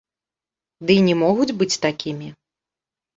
Ды й не могуць быць такімі.